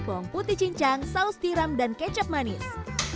bawang putih cincang saus tiram dan kecap manis